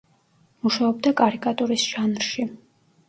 მუშაობდა კარიკატურის ჟანრში.